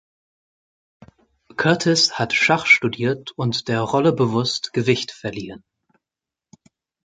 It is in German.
Curtis hat Schach studiert und der Rolle bewusst Gewicht verliehen.